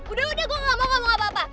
udah udah gue gak mau ngomong apa apa